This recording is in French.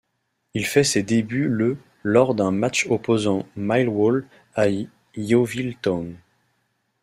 Il fait ses débuts le lors d'un match opposant Millwall à Yeovil Town.